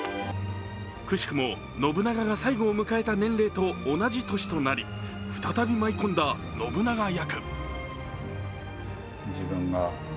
奇しくも信長が最後を迎えた年齢と同じ年となり、再び舞い込んだ信長役。